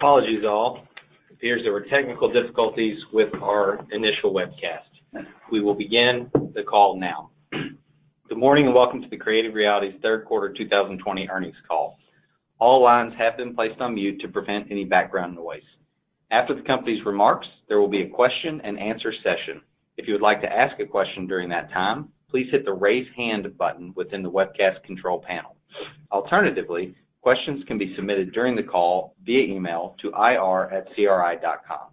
Apologies all. It appears there were technical difficulties with our initial webcast. We will begin the call now. Good morning and welcome to the Creative Realities third quarter 2020 earnings call. All lines have been placed on mute to prevent any background noise. After the company's remarks, there will be a question and answer session. If you would like to ask a question during that time, please hit the raise hand button within the webcast control panel. Alternatively, questions can be submitted during the call via email to ir@cri.com.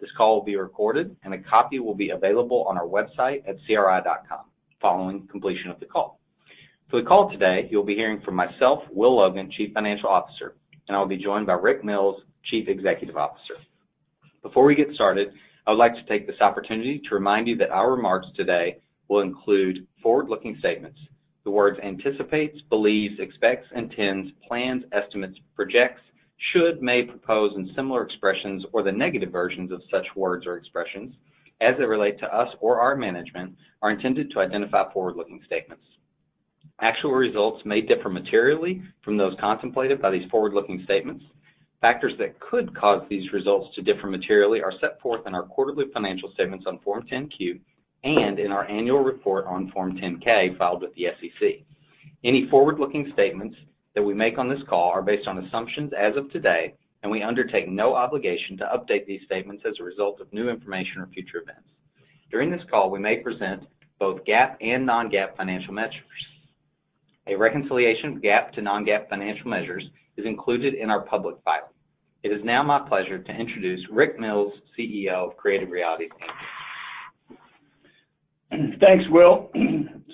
This call will be recorded and a copy will be available on our website at cri.com following completion of the call. For the call today, you'll be hearing from myself, Will Logan, Chief Financial Officer, and I'll be joined by Rick Mills, Chief Executive Officer. Before we get started, I would like to take this opportunity to remind you that our remarks today will include forward-looking statements. The words anticipates, believes, expects, intends, plans, estimates, projects, should, may, propose, and similar expressions, or the negative versions of such words or expressions as they relate to us or our management, are intended to identify forward-looking statements. Actual results may differ materially from those contemplated by these forward-looking statements. Factors that could cause these results to differ materially are set forth in our quarterly financial statements on Form 10-Q and in our annual report on Form 10-K filed with the SEC. Any forward-looking statements that we make on this call are based on assumptions as of today, and we undertake no obligation to update these statements as a result of new information or future events. During this call, we may present both GAAP and non-GAAP financial measures. A reconciliation of GAAP to non-GAAP financial measures is included in our public filing. It is now my pleasure to introduce Rick Mills, CEO of Creative Realities. Thanks, Will.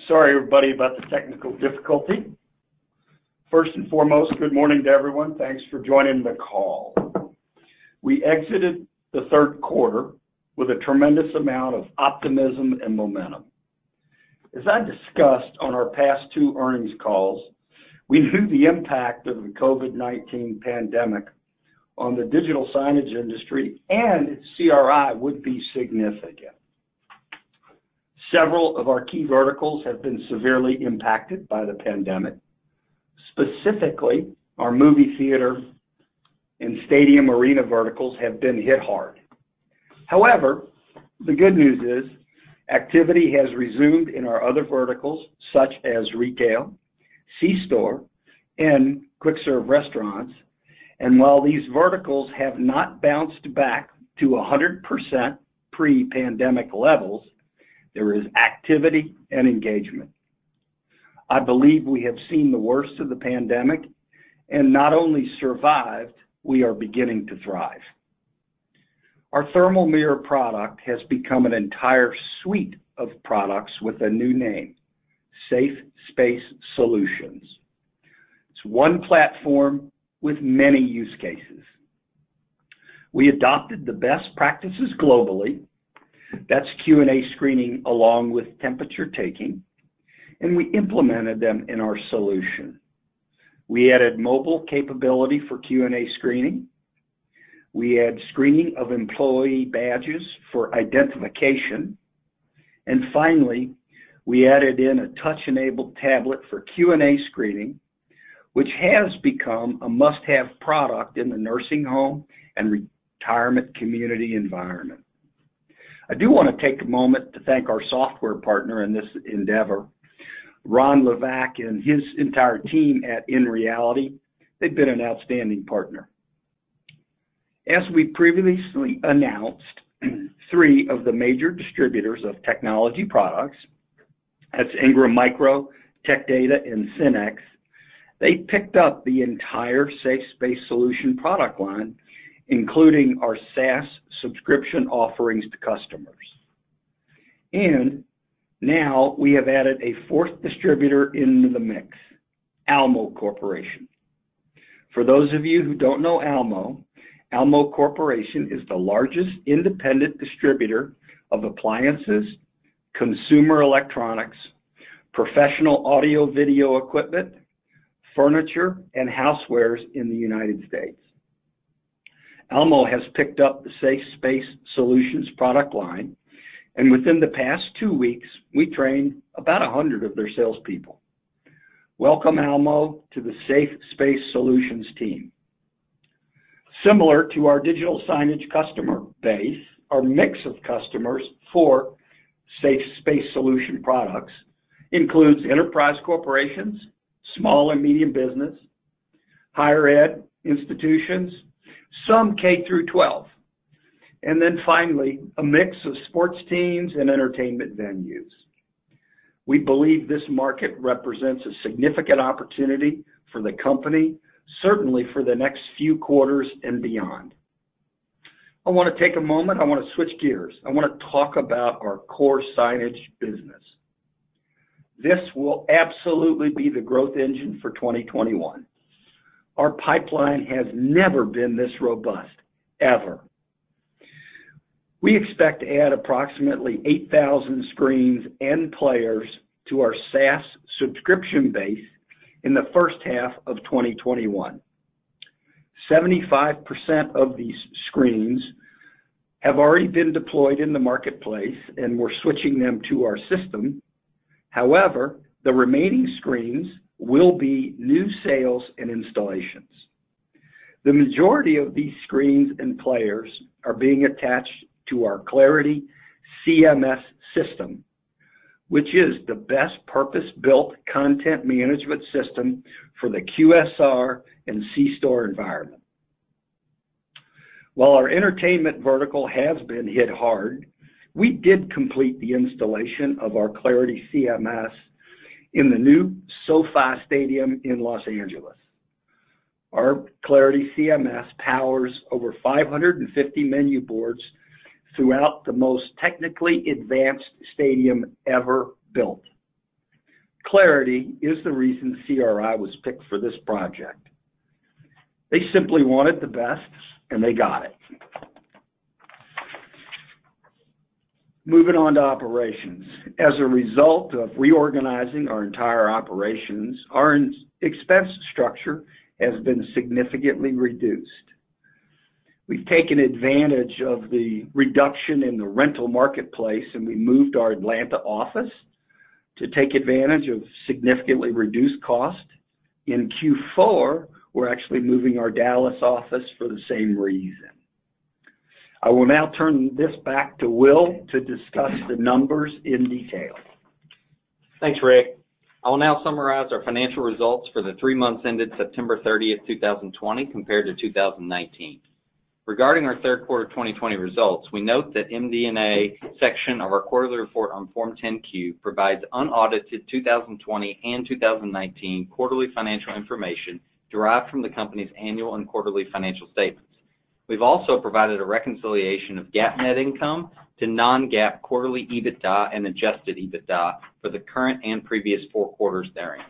Sorry everybody about the technical difficulty. First and foremost, good morning to everyone. Thanks for joining the call. We exited the third quarter with a tremendous amount of optimism and momentum. As I discussed on our past two earnings calls, we knew the impact of the COVID-19 pandemic on the digital signage industry and CRI would be significant. Several of our key verticals have been severely impacted by the pandemic. Specifically, our movie theater and stadium arena verticals have been hit hard. The good news is activity has resumed in our other verticals such as retail, C-store, and quick serve restaurants. While these verticals have not bounced back to 100% pre-pandemic levels, there is activity and engagement. I believe we have seen the worst of the pandemic and not only survived, we are beginning to thrive. Our Thermal Mirror product has become an entire suite of products with a new name, Safe Space Solutions. It's one platform with many use cases. We adopted the best practices globally. That's Q&A screening along with temperature taking, and we implemented them in our solution. We added mobile capability for Q&A screening. We add screening of employee badges for identification. Finally, we added in a touch-enabled tablet for Q&A screening, which has become a must-have product in the nursing home and retirement community environment. I do want to take a moment to thank our software partner in this endeavor, Ron Levac and his entire team at InReality. They've been an outstanding partner. As we previously announced, three of the major distributors of technology products, that's Ingram Micro, Tech Data, and SYNNEX. They picked up the entire Safe Space Solutions product line, including our SaaS subscription offerings to customers. Now we have added a fourth distributor into the mix, Almo Corporation. For those of you who don't know Almo Corporation is the largest independent distributor of appliances, consumer electronics, professional audio/video equipment, furniture and housewares in the U.S. Almo has picked up the Safe Space Solutions product line, and within the past two weeks, we trained about 100 of their salespeople. Welcome, Almo, to the Safe Space Solutions team. Similar to our digital signage customer base, our mix of customers for Safe Space Solutions products includes enterprise corporations, small and medium business, higher ed institutions, some K-12, finally, a mix of sports teams and entertainment venues. We believe this market represents a significant opportunity for the company, certainly for the next few quarters and beyond. I want to take a moment. I want to switch gears. I want to talk about our core signage business. This will absolutely be the growth engine for 2021. Our pipeline has never been this robust, ever. We expect to add approximately 8,000 screens and players to our SaaS subscription base in the first half of 2021. 75% of these screens have already been deployed in the marketplace, and we're switching them to our system. However, the remaining screens will be new sales and installations. The majority of these screens and players are being attached to our Clarity CMS system, which is the best purpose-built content management system for the QSR and C-store environment. While our entertainment vertical has been hit hard, we did complete the installation of our Clarity CMS in the new SoFi Stadium in Los Angeles. Our Clarity CMS powers over 550 menu boards throughout the most technically advanced stadium ever built. Clarity is the reason CRI was picked for this project. They simply wanted the best, and they got it. Moving on to operations. As a result of reorganizing our entire operations, our expense structure has been significantly reduced. We've taken advantage of the reduction in the rental marketplace, and we moved our Atlanta office to take advantage of significantly reduced cost. In Q4, we're actually moving our Dallas office for the same reason. I will now turn this back to Will to discuss the numbers in detail. Thanks, Rick. I will now summarize our financial results for the three months ended September 30th, 2020, compared to 2019. Regarding our third quarter 2020 results, we note that MD&A section of our quarterly report on Form 10-Q provides unaudited 2020 and 2019 quarterly financial information derived from the company's annual and quarterly financial statements. We've also provided a reconciliation of GAAP net income to non-GAAP quarterly EBITDA and adjusted EBITDA for the current and previous four quarters therein.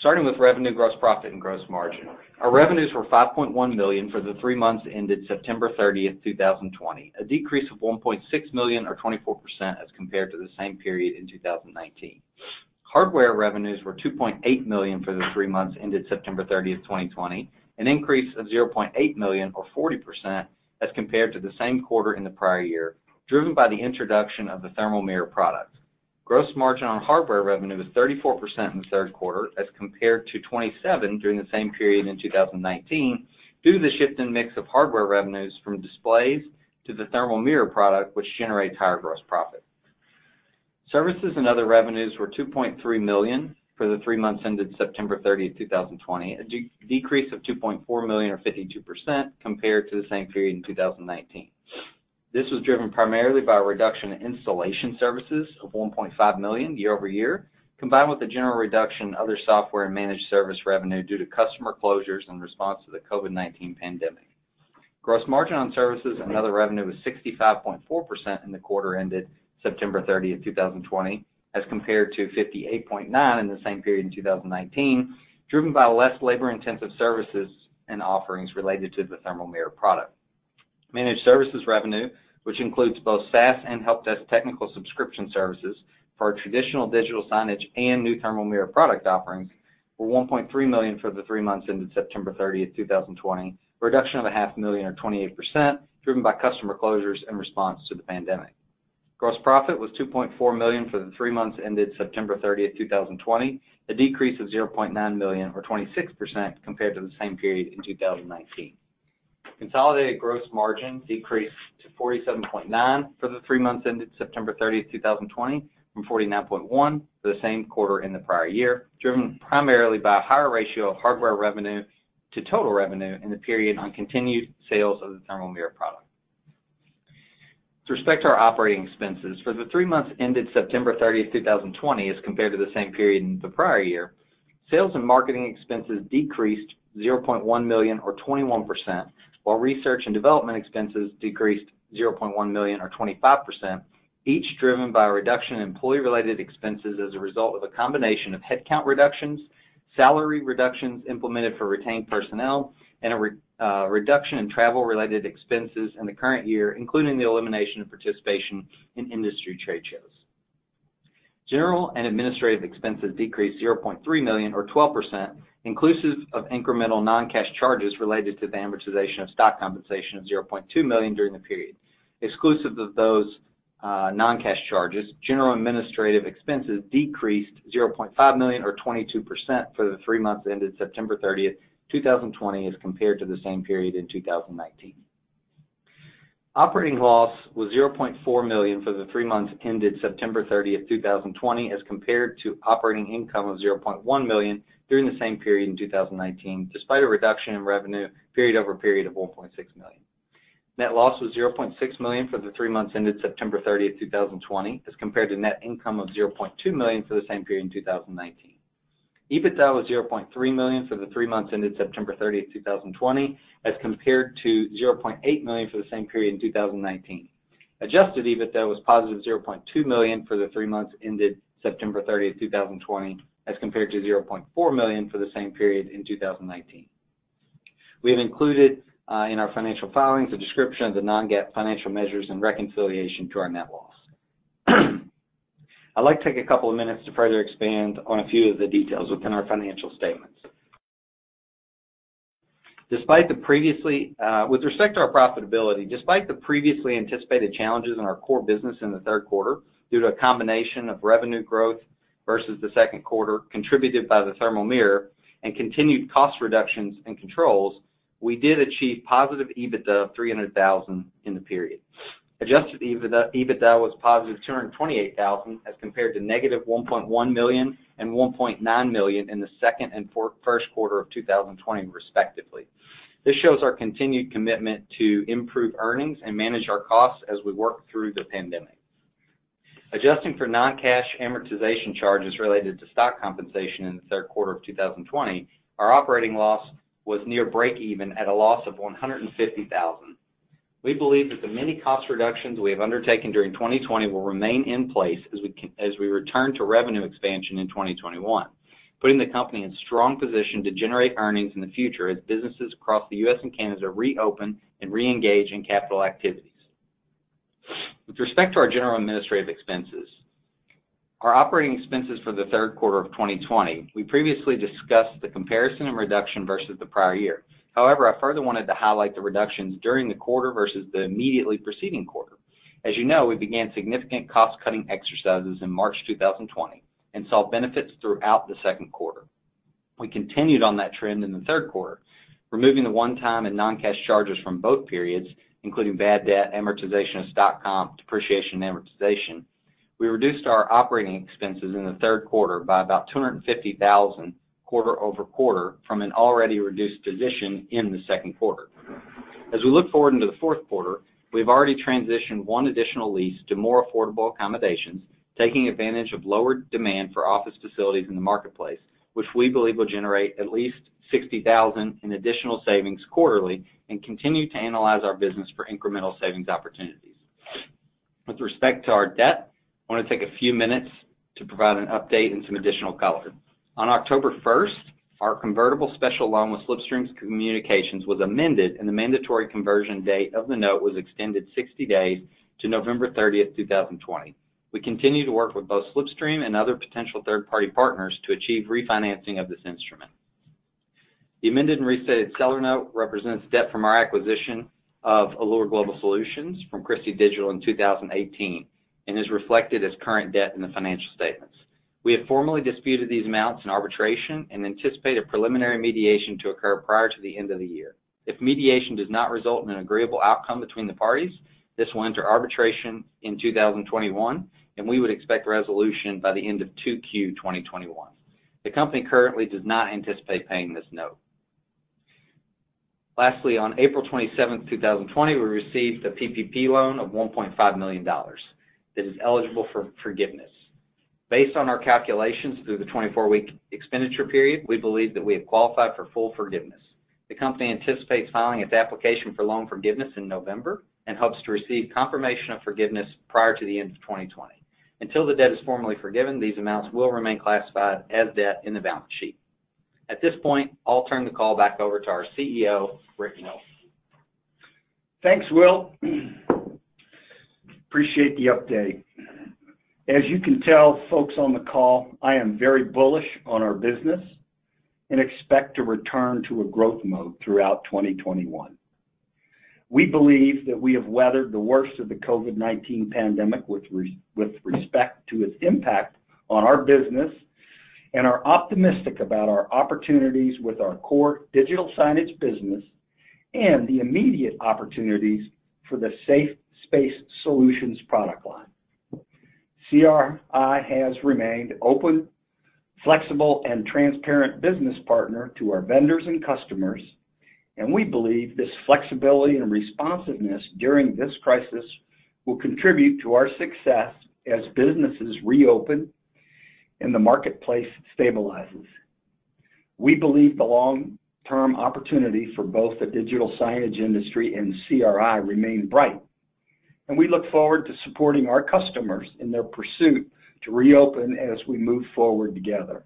Starting with revenue, gross profit, and gross margin. Our revenues were $5.1 million for the three months ended September 30th, 2020, a decrease of $1.6 million or 24% as compared to the same period in 2019. Hardware revenues were $2.8 million for the three months ended September 30th, 2020, an increase of $0.8 million or 40% as compared to the same quarter in the prior year, driven by the introduction of the Thermal Mirror product. Gross margin on hardware revenue is 34% in the third quarter as compared to 27% during the same period in 2019 due to the shift in mix of hardware revenues from displays to the Thermal Mirror product, which generates higher gross profit. Services and other revenues were $2.3 million for the three months ended September 30th, 2020, a decrease of $2.4 million or 52% compared to the same period in 2019. This was driven primarily by a reduction in installation services of $1.5 million year-over-year, combined with a general reduction in other software and managed service revenue due to customer closures in response to the COVID-19 pandemic. Gross margin on services and other revenue was 65.4% in the quarter ended September 30th, 2020, as compared to 58.9% in the same period in 2019, driven by less labor-intensive services and offerings related to the Thermal Mirror product. Managed services revenue, which includes both SaaS and help desk technical subscription services for our traditional digital signage and new Thermal Mirror product offerings, were $1.3 million for the three months ended September 30th, 2020, a reduction of $0.5 million or 28%, driven by customer closures in response to the pandemic. Gross profit was $2.4 million for the three months ended September 30th, 2020, a decrease of $0.9 million or 26% compared to the same period in 2019. Consolidated gross margin decreased to 47.9% for the three months ended September 30th, 2020, from 49.1% for the same quarter in the prior year, driven primarily by a higher ratio of hardware revenue to total revenue in the period on continued sales of the Thermal Mirror product. With respect to our operating expenses, for the three months ended September 30th, 2020, as compared to the same period in the prior year, sales and marketing expenses decreased $0.1 million or 21%, while research and development expenses decreased $0.1 million or 25%, each driven by a reduction in employee-related expenses as a result of a combination of headcount reductions, salary reductions implemented for retained personnel, and a reduction in travel-related expenses in the current year, including the elimination of participation in industry trade shows. General and administrative expenses decreased $0.3 million or 12%, inclusive of incremental non-cash charges related to the amortization of stock compensation of $0.2 million during the period. Exclusive of those non-cash charges, general administrative expenses decreased $0.5 million or 22% for the three months ended September 30th, 2020, as compared to the same period in 2019. Operating loss was $0.4 million for the three months ended September 30th, 2020, as compared to operating income of $0.1 million during the same period in 2019, despite a reduction in revenue period-over-period of $1.6 million. Net loss was $0.6 million for the three months ended September 30th, 2020, as compared to net income of $0.2 million for the same period in 2019. EBITDA was $0.3 million for the three months ended September 30th, 2020, as compared to $0.8 million for the same period in 2019. Adjusted EBITDA was positive $0.2 million for the three months ended September 30, 2020, as compared to $0.4 million for the same period in 2019. We have included in our financial filings a description of the non-GAAP financial measures and reconciliation to our net loss. I'd like to take a couple of minutes to further expand on a few of the details within our financial statements. With respect to our profitability, despite the previously anticipated challenges in our core business in the third quarter due to a combination of revenue growth versus the second quarter contributed by the Thermal Mirror and continued cost reductions and controls, we did achieve positive EBITDA of $300,000 in the period. Adjusted EBITDA was positive $228,000 as compared to -$1.1 million and $1.9 million in the second and first quarter of 2020 respectively. This shows our continued commitment to improve earnings and manage our costs as we work through the pandemic. Adjusting for non-cash amortization charges related to stock compensation in the third quarter of 2020, our operating loss was near breakeven at a loss of $150,000. We believe that the many cost reductions we have undertaken during 2020 will remain in place as we return to revenue expansion in 2021, putting the company in a strong position to generate earnings in the future as businesses across the U.S. and Canada reopen and reengage in capital activities. With respect to our general administrative expenses, our operating expenses for the third quarter of 2020, we previously discussed the comparison and reduction versus the prior year. I further wanted to highlight the reductions during the quarter versus the immediately preceding quarter. As you know, we began significant cost-cutting exercises in March 2020 and saw benefits throughout the second quarter. We continued on that trend in the third quarter, removing the one-time and non-cash charges from both periods, including bad debt, amortization of stock comp, depreciation, and amortization. We reduced our operating expenses in the third quarter by about $250,000 quarter-over-quarter from an already reduced position in the second quarter. As we look forward into the fourth quarter, we've already transitioned one additional lease to more affordable accommodations, taking advantage of lower demand for office facilities in the marketplace, which we believe will generate at least $60,000 in additional savings quarterly and continue to analyze our business for incremental savings opportunities. With respect to our debt, I want to take a few minutes to provide an update and some additional color. On October 1st, our convertible special loan with Slipstream Communications was amended, and the mandatory conversion date of the note was extended 60 days to November 30th, 2020. We continue to work with both Slipstream and other potential third-party partners to achieve refinancing of this instrument. The amended and restated seller note represents debt from our acquisition of Allure Global Solutions from Christie Digital in 2018 and is reflected as current debt in the financial statements. We have formally disputed these amounts in arbitration and anticipate a preliminary mediation to occur prior to the end of the year. If mediation does not result in an agreeable outcome between the parties, this will enter arbitration in 2021, and we would expect resolution by the end of 2Q 2021. The company currently does not anticipate paying this note. Lastly, on April 27th, 2020, we received a PPP loan of $1.5 million that is eligible for forgiveness. Based on our calculations through the 24-week expenditure period, we believe that we have qualified for full forgiveness. The company anticipates filing its application for loan forgiveness in November and hopes to receive confirmation of forgiveness prior to the end of 2020. Until the debt is formally forgiven, these amounts will remain classified as debt in the balance sheet. At this point, I'll turn the call back over to our CEO, Rick Mills. Thanks, Will. Appreciate the update. As you can tell, folks on the call, I am very bullish on our business and expect to return to a growth mode throughout 2021. We believe that we have weathered the worst of the COVID-19 pandemic with respect to its impact on our business and are optimistic about our opportunities with our core digital signage business and the immediate opportunities for the Safe Space Solutions product line. CRI has remained open, flexible, and transparent business partner to our vendors and customers, and we believe this flexibility and responsiveness during this crisis will contribute to our success as businesses reopen and the marketplace stabilizes. We believe the long-term opportunity for both the digital signage industry and CRI remain bright, and we look forward to supporting our customers in their pursuit to reopen as we move forward together.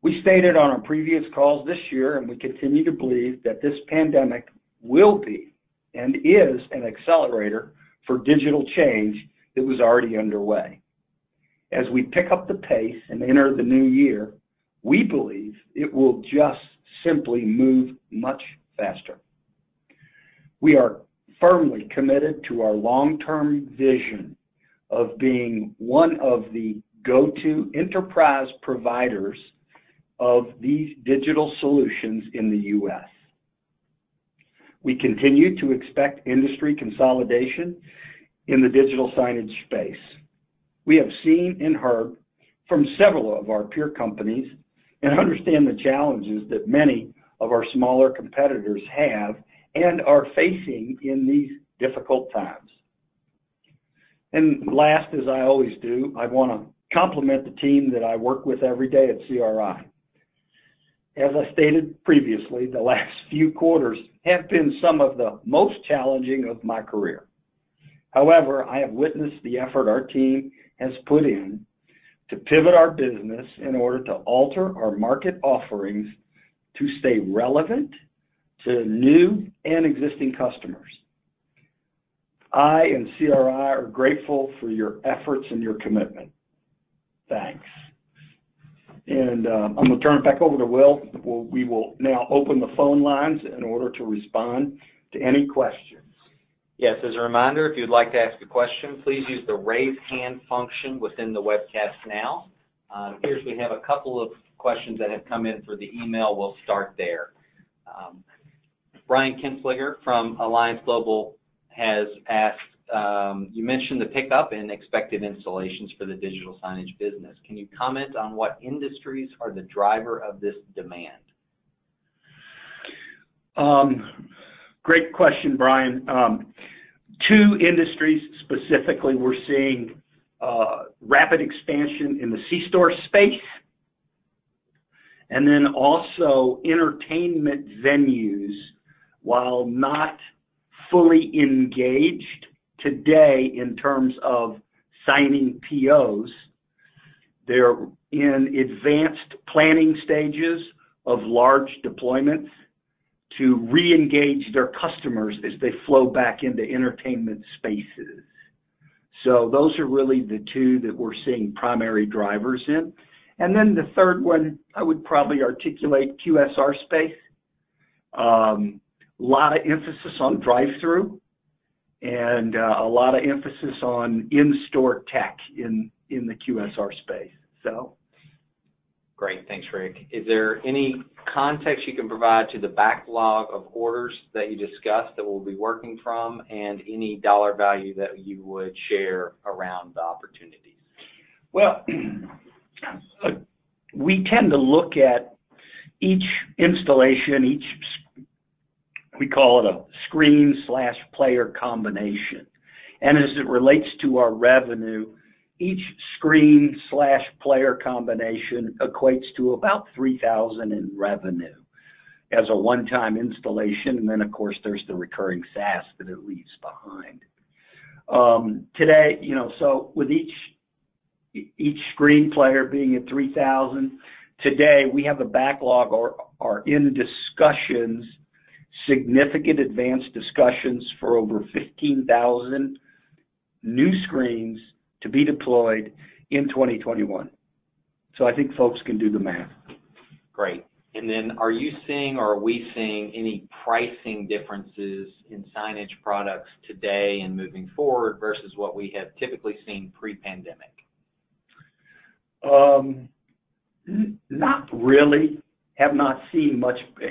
We stated on our previous calls this year, and we continue to believe that this pandemic will be and is an accelerator for digital change that was already underway. As we pick up the pace and enter the new year, we believe it will just simply move much faster. We are firmly committed to our long-term vision of being one of the go-to enterprise providers of these digital solutions in the U.S. We continue to expect industry consolidation in the digital signage space. We have seen and heard from several of our peer companies and understand the challenges that many of our smaller competitors have and are facing in these difficult times. Last, as I always do, I want to compliment the team that I work with every day at CRI. As I stated previously, the last few quarters have been some of the most challenging of my career. However, I have witnessed the effort our team has put in to pivot our business in order to alter our market offerings to stay relevant to new and existing customers. I and CRI are grateful for your efforts and your commitment. Thanks. I'm going to turn it back over to Will. We will now open the phone lines in order to respond to any questions. Yes. As a reminder, if you'd like to ask a question, please use the Raise Hand function within the webcast now. It appears we have a couple of questions that have come in through the email. We'll start there. Brian Kinstlinger from Alliance Global has asked, "You mentioned the pickup in expected installations for the digital signage business. Can you comment on what industries are the driver of this demand? Great question, Brian. Two industries specifically, we're seeing rapid expansion in the C-store space, also entertainment venues, while not fully engaged today in terms of signing POs, they're in advanced planning stages of large deployments to reengage their customers as they flow back into entertainment spaces. Those are really the two that we're seeing primary drivers in. The third one, I would probably articulate QSR space. Lot of emphasis on drive-thru, a lot of emphasis on in-store tech in the QSR space. Great. Thanks, Rick. Is there any context you can provide to the backlog of orders that you discussed that we'll be working from, and any dollar value that you would share around the opportunities? Well, we tend to look at each installation, we call it a screen/player combination, and as it relates to our revenue, each screen/player combination equates to about $3,000 in revenue as a one-time installation, and then, of course, there's the recurring SaaS that it leaves behind. With each screen player being at $3,000, today, we have a backlog or are in discussions, significant advanced discussions, for over 15,000 new screens to be deployed in 2021. I think folks can do the math. Great. Are you seeing or are we seeing any pricing differences in signage products today and moving forward versus what we have typically seen pre-pandemic? Not really. Have not seen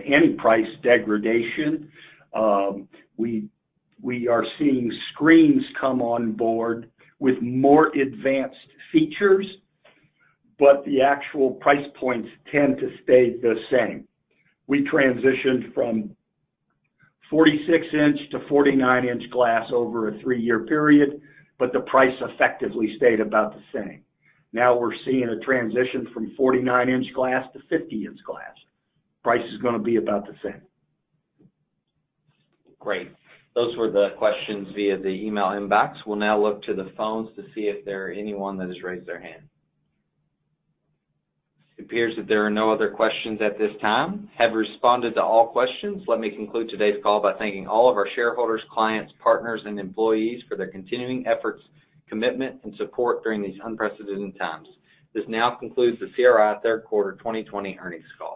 any price degradation. We are seeing screens come on board with more advanced features, but the actual price points tend to stay the same. We transitioned from 46-inch to 49-inch glass over a three-year period, but the price effectively stayed about the same. Now we're seeing a transition from 49-inch glass to 50-inch glass. Price is going to be about the same. Great. Those were the questions via the email inbox. We'll now look to the phones to see if there is anyone that has raised their hand. It appears that there are no other questions at this time. We have responded to all questions. Let me conclude today's call by thanking all of our shareholders, clients, partners, and employees for their continuing efforts, commitment, and support during these unprecedented times. This now concludes the CRI third quarter 2020 earnings call.